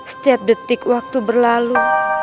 setiap detik waktu berlalu